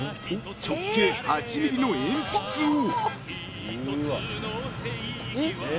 ［直径８ｍｍの鉛筆を］